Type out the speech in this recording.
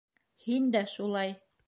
Һин дә шулай.